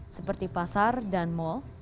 seperti pasar dan mal